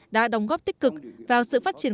đã đóng góp tích cực vào sự phát triển